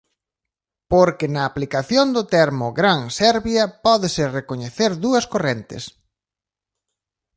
Porque na aplicación do termo "Gran Serbia" pódense recoñecer dúas correntes.